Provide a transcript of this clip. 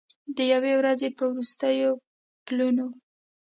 د یوې ورځې په وروستیو پلونو